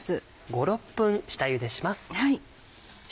５６分下ゆでします。